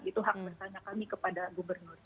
itu hak bertanya kami kepada gubernur